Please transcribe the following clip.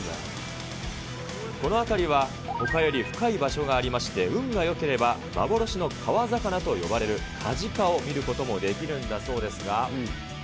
この辺りはほかより深い場所がありまして、運がよければ、幻の川魚と呼ばれるカジカを見ることもできるんだそうですが。